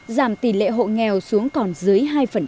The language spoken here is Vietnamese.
giảm tỷ lệ hộ nghèo xuống còn dưới hai